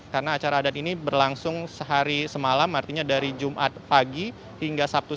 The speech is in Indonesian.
karena acara adat ini berlangsung sehari semalam artinya dari jumat pagi hingga sabtu